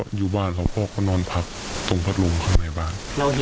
พ่ออยู่บ้านครับพ่อก็นอนพักตรงพัดลมข้างในบ้าน